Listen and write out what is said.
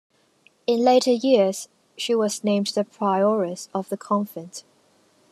In later years she was named the prioress of the convent.